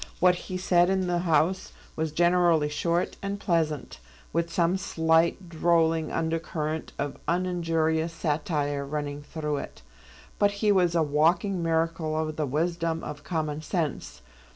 What he said in the House was generally short and pleasant, with some slight, drolling, undercurrent of uninjurious satire running through it. But he was a walking miracle of the wisdom of common sense.